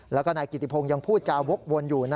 แล้วก็นายกิติพงศ์ยังพูดจาวกวนอยู่